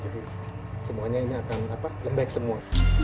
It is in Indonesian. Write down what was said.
jadi semuanya ini akan lembek semua